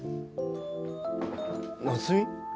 夏美？